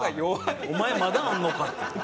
お前まだあんのかっていう。